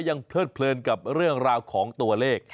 เพลิดเพลินกับเรื่องราวของตัวเลข